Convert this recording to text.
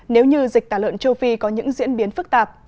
nếu như dịch tả lợn châu phi có những diễn biến phức tạp